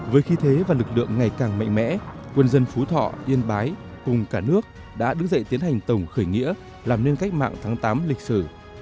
với khí thế và lực lượng ngày càng mạnh mẽ quân dân phú thọ yên bái cùng cả nước đã đứng dậy tiến hành tổng khởi nghĩa làm nên cách mạng tháng tám lịch sử